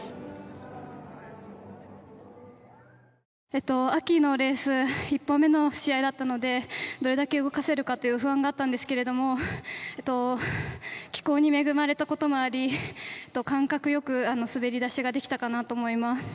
えと秋のレース１本目の試合だったのでどれだけ動かせるかという不安があったんですけれどもえと気候に恵まれたこともあり感覚よく滑りだしができたかなと思います